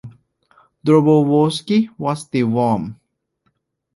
Dobrovolsky was still warm.